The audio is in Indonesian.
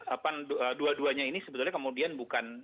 apa dua duanya ini sebetulnya kemudian bukan